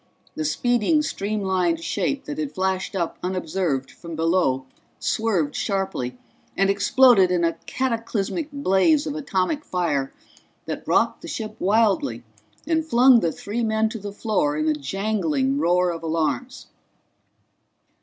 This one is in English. The speeding streamlined shape that had flashed up unobserved from below swerved sharply and exploded in a cataclysmic blaze of atomic fire that rocked the ship wildly and flung the three men to the floor in a jangling roar of alarms.